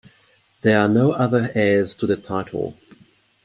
There are no other heirs to the title.